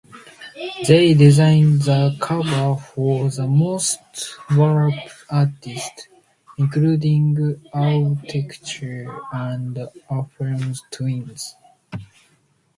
They designed the covers for most Warp artists, including Autechre and Aphex Twin.